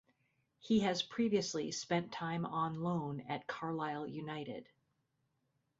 He has previously spent time on loan at Carlisle United.